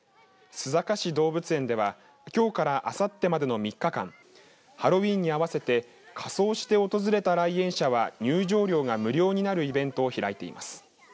須坂市動物園ではきょうからあさってまでの３日間ハロウィーンに合わせて仮装して訪れた来園者は入場料が無料になるイベントを開いています。